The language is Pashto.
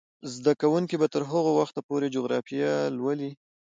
زده کوونکې به تر هغه وخته پورې جغرافیه لولي.